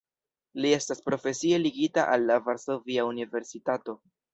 Li estas profesie ligita al la Varsovia Universitato.